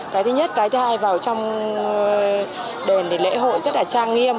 cái thứ nhất cái thứ hai vào trong đền để lễ hội rất là trang nghiệp